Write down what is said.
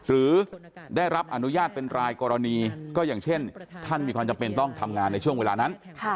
หรือได้รับอนุญาตเป็นรายกรณีก็อย่างเช่นท่านมีความจำเป็นต้องทำงานในช่วงเวลานั้น